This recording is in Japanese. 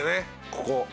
ここ。